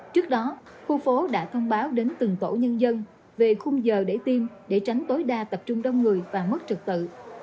trước đó khu phố đã thông báo đến từng tổ nhân dân về khung giờ để tiêm để tránh tối đa tập trung đông người và mất trực tự